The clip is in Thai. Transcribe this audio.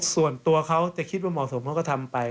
ส่วนตัวเขาจะคิดว่าเหมาะสมเขาก็ทำไป